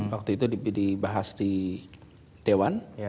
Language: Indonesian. waktu itu dibahas di dewan